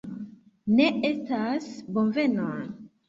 Ne estas bonvenon